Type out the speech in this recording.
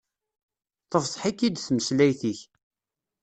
Tefḍeḥ-ik-id tmeslayt-ik.